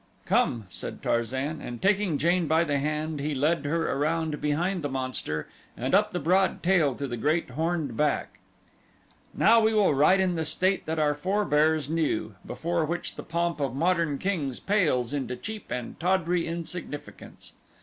"Come," said Tarzan, and taking Jane by the hand he led her around behind the monster and up the broad tail to the great, horned back. "Now will we ride in the state that our forebears knew, before which the pomp of modern kings pales into cheap and tawdry insignificance.